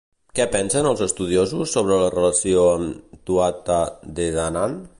Què pensen els estudiosos sobre la relació amb Tuatha Dé Danann?